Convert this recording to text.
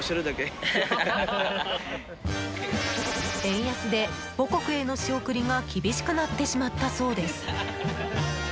円安で母国への仕送りが厳しくなってしまったそうです。